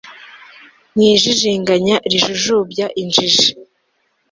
mu ijijinganya rijujubya injiji